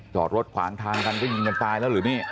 จอดรถขวางทางกันก็ยิงกันตายแล้วหรือนี่